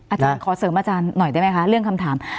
อาจารย์ขอเสริมอาจารย์หน่อยได้ไหมคะเรื่องคำถาม